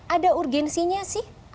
ada urgensinya sih